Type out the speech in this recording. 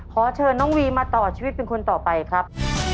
ขอเชิญน้องวีมาต่อชีวิตเป็นคนต่อไปครับ